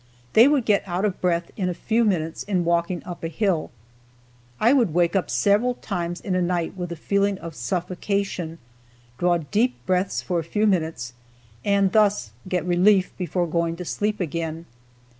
They would get out of breath in a few minutes in walking up a hill. I would wake up several times in a night with a feeling of suffocation, draw deep breaths for a few minutes and thus get relief before going to sleep again.